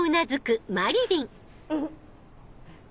うん。